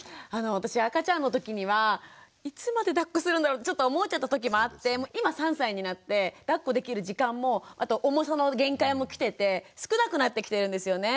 私赤ちゃんの時にはいつまでだっこするんだろうってちょっと思っちゃった時もあって今３歳になってだっこできる時間もあと重さの限界も来てて少なくなってきてるんですよね。